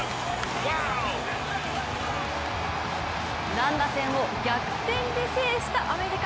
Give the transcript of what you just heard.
乱打戦を逆転で制したアメリカ。